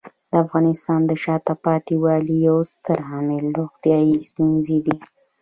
د افغانستان د شاته پاتې والي یو ستر عامل روغتیايي ستونزې دي.